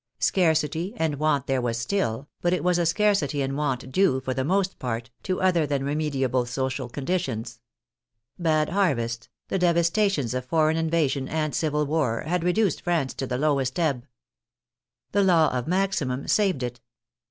Scarcity and want there was still, but it was a scarcity and want due, for the most part, to other than 62 THE FRENCH REVOLUTION remediable social conditions. Bad harvests, the devas tations of foreign invasion and civil war, had reduced France to the lowest ebb. The law of maximum saved it.